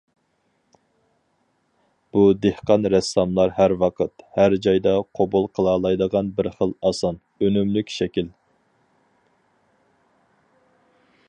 بۇ دېھقان رەسساملار ھەر ۋاقىت، ھەر جايدا قوبۇل قىلالايدىغان بىر خىل ئاسان، ئۈنۈملۈك شەكىل.